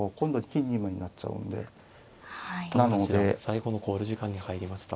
最後の考慮時間に入りました。